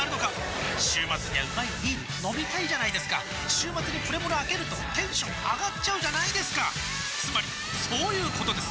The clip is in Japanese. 週末にはうまいビール飲みたいじゃないですか週末にプレモルあけるとテンション上がっちゃうじゃないですかつまりそういうことです！